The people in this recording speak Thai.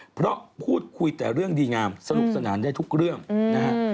เพราะพูดคุยแต่เรื่องดีงามสนุกสนานได้ทุกเรื่องนะฮะ